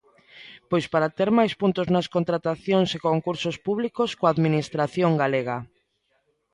Pois para ter máis puntos nas contratacións e concursos públicos coa Administración galega.